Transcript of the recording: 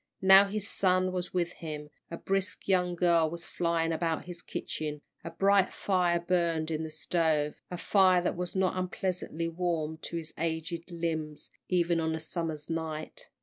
Now his son was with him, a brisk young girl was flying about his kitchen, a bright fire burned in the stove, a fire that was not unpleasantly warm to his aged limbs even on this summer night.